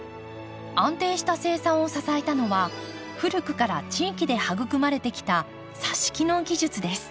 安定した生産を支えたのは古くから地域で育まれてきたさし木の技術です。